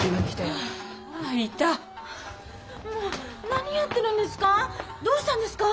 何やってるんですか？